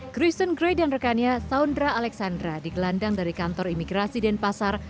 kristen gray dan rekannya saundra alexandra digelandang dari kantor imigrasi denpasar